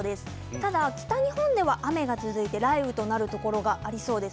ただ北日本では雨が続いて、雷雨となるところがありそうです。